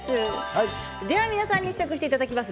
では皆さんに試食していただきます。